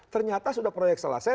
ternyata sudah proyek selesai